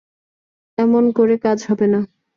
এমন করে কাজ হবে না।